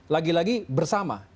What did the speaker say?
lagi lagi berhubungan dengan